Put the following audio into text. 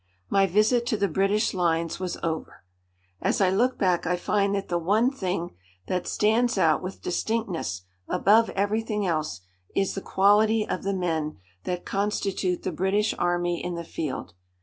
My visit to the British lines was over. As I look back I find that the one thing that stands out with distinctness above everything else is the quality of the men that constitute the British Army in the field.